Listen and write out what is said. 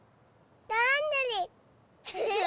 どんぐり！